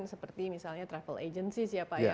seperti misalnya travel agency siapanya